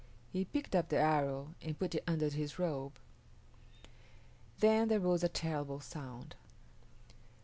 He picked up the arrow and put it under his robe. Then there rose a terrible sound.